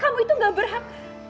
kamu itu enggak berhak